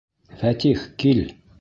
Фәтих, кил!..